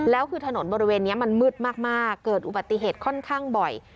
แล้วคือถนนบริเวณนี้มันมืดมากเกิดอุบัติเหตุค่อนข้างบ่อย